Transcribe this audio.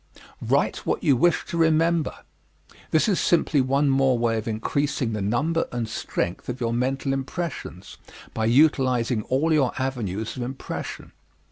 Write what you wish to remember. This is simply one more way of increasing the number and the strength of your mental impressions by utilizing all your avenues of impression.